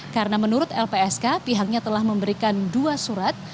karena menurut lpsk pihaknya telah memberikan dua surat